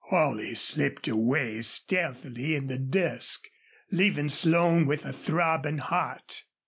Holley slipped away stealthily in the dusk, leaving Slone with a throbbing heart.